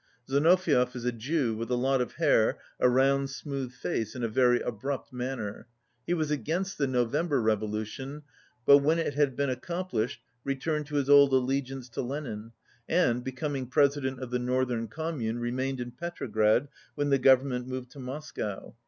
Zinoviev is a Jew, with a lot of hair, a round smooth face, and a very abrupt manner. He was against the November Revolution, but when it had been accomplished returned to his old alle giance to Lenin and, becoming President of the Northern Commune, remained in Petrograd when he Government moved to Moscow.